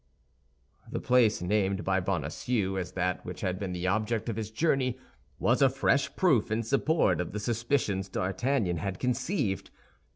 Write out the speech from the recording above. The place named by Bonacieux as that which had been the object of his journey was a fresh proof in support of the suspicions D'Artagnan had conceived.